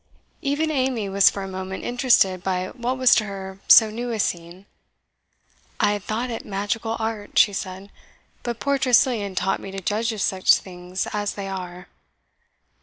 Even Amy was for a moment interested by what was to her so new a scene. "I had thought it magical art," she said, "but poor Tressilian taught me to judge of such things as they are.